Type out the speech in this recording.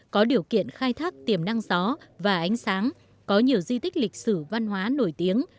có điều kiện khai thác tiềm năng gió và ánh sáng có nhiều di tích lịch sử văn hóa nổi tiếng